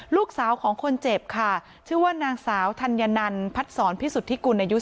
ลูกสาวของคนเจ็บค่ะชื่อว่านางสาวธัญนันพัดศรพิสุทธิกุลอายุ๔